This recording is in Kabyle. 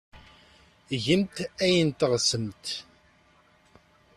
Gemt ayen teɣsemt.